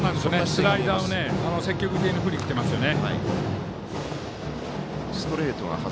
スライダーを積極的に振りにきていますよね。